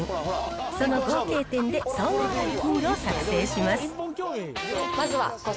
その合計点で総合ランキングを作成します。